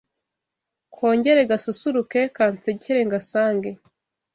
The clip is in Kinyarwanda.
Kongere gasusuruke Kansekere ngasange